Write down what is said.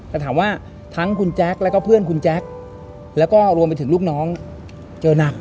แต่ถามว่าทั้งคุณแจ๊คแล้วก็เพื่อนคุณแจ๊คแล้วก็รวมไปถึงลูกน้องเจอนัก